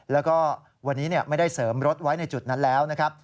แล้วก็วันนี้ไม่ได้เสริมรถไว้ในจุดนั้นแล้วนะครับ